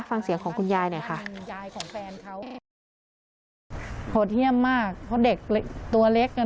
ฟังเสียงของคุณยายเนี่ยค่ะแฟนเขาโหดเที่ยมมากเพราะเด็กตัวเล็กอ่ะเนอะ